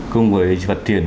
cùng với vật tiện